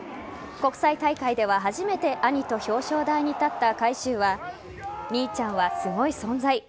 国際大会では初めて兄と表彰台に立った海祝は兄ちゃんはすごい存在。